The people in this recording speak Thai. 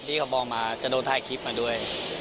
ที่เขามองมาจะโดนถ่ายคลิปมาด้วย